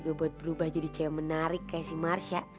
gue buat berubah jadi cewek menarik kayak si marsha